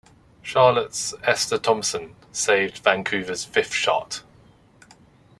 Charlotte's Esther Thompson saved Vancouver's fifth shot.